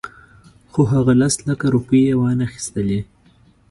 خو هغه لس لکه روپۍ یې وانخیستلې.